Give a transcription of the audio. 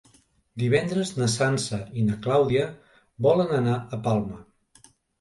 Divendres na Sança i na Clàudia volen anar a Palma.